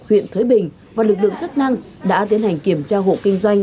huyện thới bình và lực lượng chức năng đã tiến hành kiểm tra hộ kinh doanh